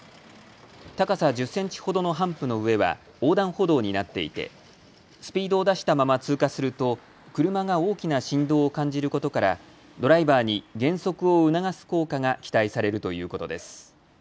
高さ１０センチほどのハンプの上は横断歩道になっていてスピードを出したまま通過すると車が大きな振動を感じることからドライバーに減速を促す効果が期待されるということです。